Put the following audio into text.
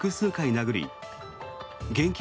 殴り現金